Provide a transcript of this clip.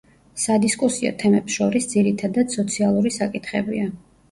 სადისკუსიო თემებს შორის ძირითადად სოციალური საკითხებია.